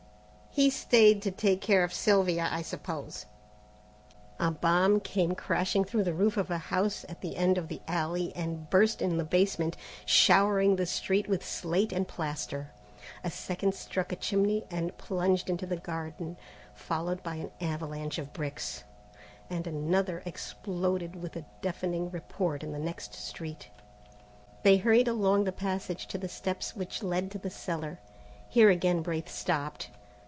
"He stayed to take care of Sylvia, I suppose." A bomb came crashing through the roof of a house at the end of the alley and burst in the basement, showering the street with slate and plaster. A second struck a chimney and plunged into the garden, followed by an avalanche of bricks, and another exploded with a deafening report in the next street. They hurried along the passage to the steps which led to the cellar. Here again Braith stopped.